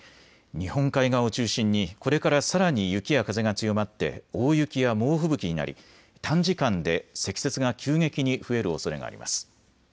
日本海側を中心にこれからさらに雪や風が強まって大雪や猛吹雪になり短時間で積雪が急激に増えるおそれがあります。